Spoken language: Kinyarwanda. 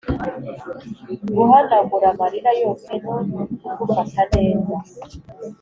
guhanagura amarira yose no kugufata neza.